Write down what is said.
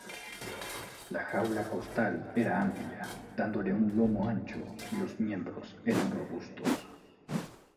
La jaula costal era amplia, dándole un lomo ancho, y los miembros eran robustos.